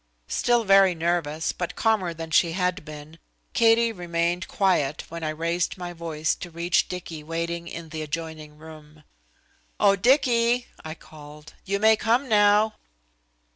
Still very nervous but calmer than she had been, Katie remained quiet when I raised my voice to reach Dicky waiting in the adjoining room. "Oh, Dicky," I called, "you may come now."